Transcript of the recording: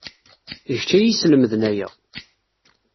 D kecc ay iyi-yeslemden aya.